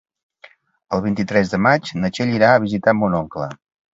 El vint-i-tres de maig na Txell irà a visitar mon oncle.